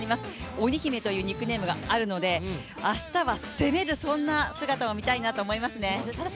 鬼姫というニックネームがあるので明日は，攻める、そんな姿を見たいと思います。